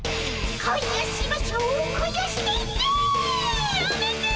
「恋をしましょう恋をして」やめて！